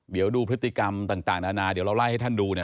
เดี๋ยวดูพฤติกรรมต่างนานาเดี๋ยวเราไล่ให้ท่านดูเนี่ย